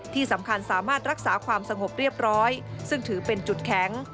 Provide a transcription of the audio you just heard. ที่สำคัญสามารถรักษาความสงบเรียบร้อยซึ่งถือเป็นจุดแข็ง